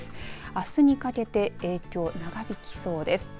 あすにかけて影響長引きそうです。